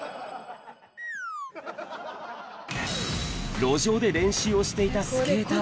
路上で練習をしていたスケーター。